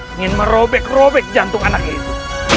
ingin merobek robek jantung anaknya itu